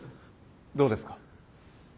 どうですか？